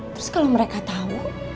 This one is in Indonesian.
terus kalau mereka tau